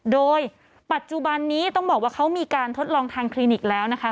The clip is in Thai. โดยปัจจุบันนี้ต้องบอกว่าเขามีการทดลองทางคลินิกแล้วนะคะ